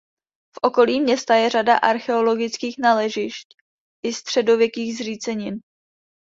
V okolí města je řada archeologických nalezišť i středověkých zřícenin.